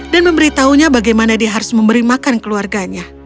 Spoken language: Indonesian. dan memberitahunya bagaimana dia harus memberi makan keluarganya